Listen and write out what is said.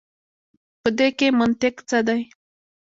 په دې کښي منطق څه دی.